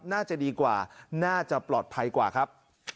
น่าจะดีกว่าน่าจะปลอดภัยกว่าครับ